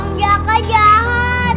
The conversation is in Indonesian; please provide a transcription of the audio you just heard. om jaka jahat